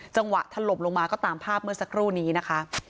จังหวะถล่มลงมาก็ตามภาพเมื่อสักครู่นี้นะคะ